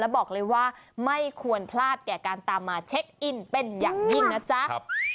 บอกเลยว่าไม่ควรพลาดแก่การตามมาเช็คอินเป็นอย่างยิ่งนะจ๊ะ